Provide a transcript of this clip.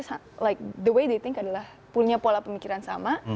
seperti cara mereka berpikir adalah punya pola pemikiran sama